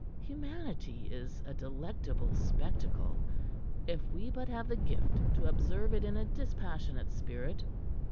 Humanity is a delectable spectacle if we but have the gift to observe it in a dispassionate spirit.